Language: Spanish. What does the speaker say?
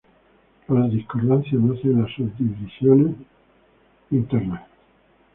Las discordancias nacen en las subdivisiones internas.